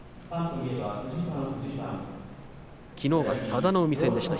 きのうは佐田の海戦でした。